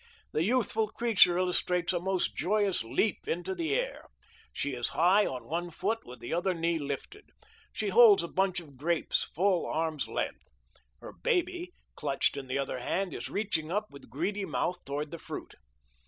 The youthful creature illustrates a most joyous leap into the air. She is high on one foot with the other knee lifted. She holds a bunch of grapes full arm's length. Her baby, clutched in the other hand, is reaching up with greedy mouth toward the fruit.